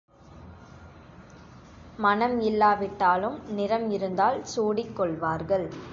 மணம் இல்லா விட்டாலும், நிறம் இருந்தால் சூடிக்கொள்வார்கள்.